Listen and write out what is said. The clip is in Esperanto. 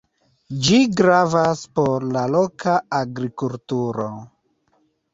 Ĝi gravas por la loka agrikulturo.